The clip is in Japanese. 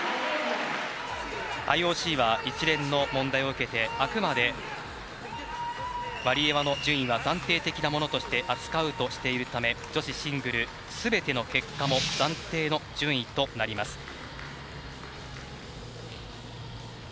ＩＯＣは一連の問題を受けてあくまでワリエワの順位は暫定的なものとして扱うとしているため女子シングル、すべての結果も暫定の順位となります。